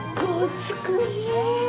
美しい！